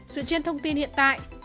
dựa trên thông tin hiện tại